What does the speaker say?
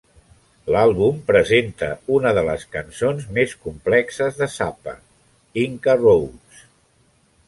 L'àlbum presenta una de les cançons més complexes de Zappa, "Inca Roads".